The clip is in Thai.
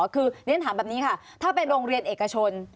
คือเรียนถามแบบนี้ค่ะถ้าเป็นโรงเรียนเอกชน